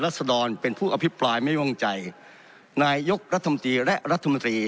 สดรเป็นผู้อภิปรายไม่วงใจนายกรัฐมนตรีและรัฐมนตรี